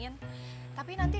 tapi nanti kalau keluarga kita